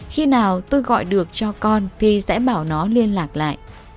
khi nào tôi gọi được cho con thì sẽ bảo nó liên lạc lại